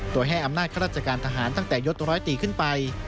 โดยให้อำนาจข้าราชการทหารตั้งแต่ยดร้อยตีขึ้นไป